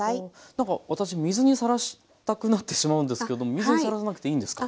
何か私水にさらしたくなってしまうんですけれども水にさらさなくていいんですか？